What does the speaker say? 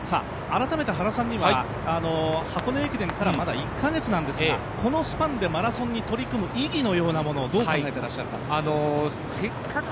改めて、箱根駅伝からまだ１カ月なんですがこのスパンでマラソンに取り組む意義みたいなものをどう考えてらっしゃいますか？